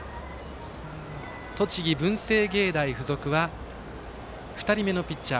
栃木、文星芸大付属は２人目のピッチャー